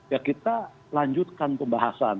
ya kita lanjutkan pembahasan